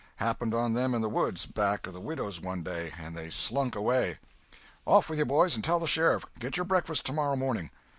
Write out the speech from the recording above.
Happened on them in the woods back of the widow's one day, and they slunk away. Off with you, boys, and tell the sheriff—get your breakfast tomorrow morning!"